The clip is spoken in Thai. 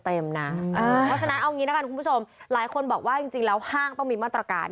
เพราะฉะนั้นเอางี้ละกันคุณผู้ชมหลายคนบอกว่าจริงแล้วห้างต้องมีมาตรการ